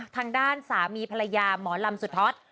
ทางด้านสามีภรรยาหมอลำสุดฮอต